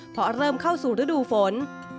พอเริ่มเข้าสู่ฤดูฝน